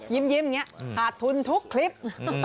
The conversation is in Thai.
ยิ้มอย่างนี้ขาดทุนทุกคลิป